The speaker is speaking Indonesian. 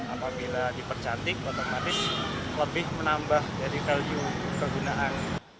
apabila dipercantik otomatis lebih menambah dari value kegunaan